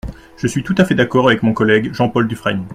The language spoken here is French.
Je suis tout à fait d’accord avec mon collègue Jean-Paul Dufrègne.